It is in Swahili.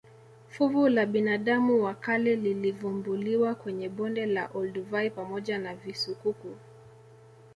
Fuvu la binadamu wa kale lilivumbuliwa kwenye bonde la olduvai pamoja na visukuku